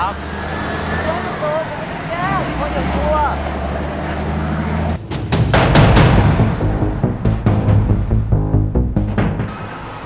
มีคนอยากดูอ่ะ